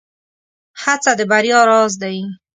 هڅه د بريا راز دی.